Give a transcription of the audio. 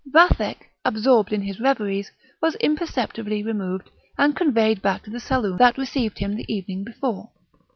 Vathek, absorbed in his reveries, was imperceptibly removed, and conveyed back to the saloon that received him the evening before.